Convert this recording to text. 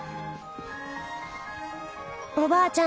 おばあちゃん